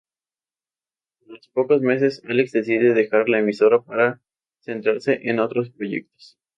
A los pocos meses, Álex decide dejar la emisora para centrarse en otros proyectos.